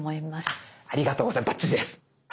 あっありがとうございますバッチリです。